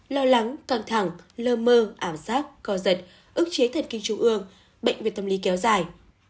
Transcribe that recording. lo lắng căng thẳng lơ mơ ảm sát co giật ước chế thần kinh trung ương bệnh về tâm lý kéo dài